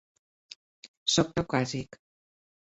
Sóc caucàsic.